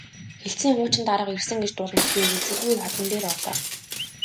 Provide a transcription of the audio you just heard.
Хэлтсийн хуучин дарга ирсэн гэж дуулмагц би эргэлзэлгүй хадам дээр орлоо.